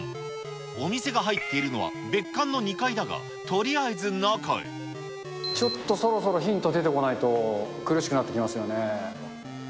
お店が入っているのは別館の２階ちょっとそろそろヒント出てこないと苦しくなってきますよね。